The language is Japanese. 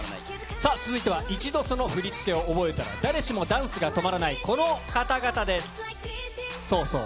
さあ、続いては一度その振り付けを覚えたら誰しもダンスが止まらない、そうそう。